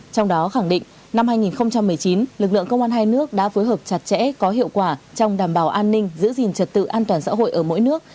trong đó khẳng định năm hai nghìn một mươi chín lực lượng công an hai nước đã phối hợp chặt chẽ có hiệu quả trong đảm bảo an ninh giữ gìn trật tự an toàn xã hội ở mỗi nước